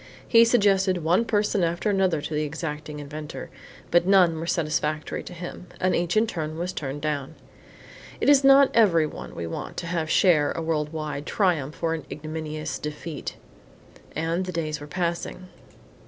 He suggested one person after another to the exacting inventor, but none were satisfactory to him and each in turn was turned down. It is not every one we want to have share a world wide triumph or an ignominious defeat. And the days were passing.